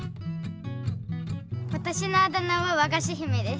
わたしのあだ名は「わがしひめ」です。